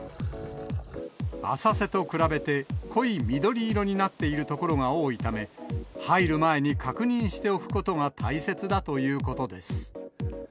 浅瀬と比べて濃い緑色になっている所が多いため、入る前に確認しておくことが大切だということです。